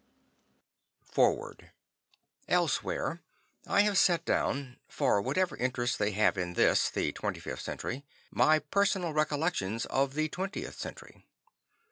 _ Foreword Elsewhere I have set down, for whatever interest they have in this, the 25th Century, my personal recollections of the 20th Century.